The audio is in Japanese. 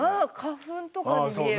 花粉とかに見える。